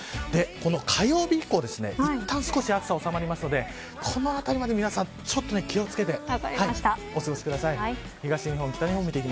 この火曜日以降いったん少し暑さが収まりますのでこのあたりまで皆さん気を付けてお過ごしください。